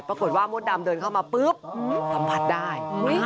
มดดำเดินเข้ามาปุ๊บสัมผัสได้